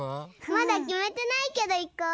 まだきめてないけどいこう！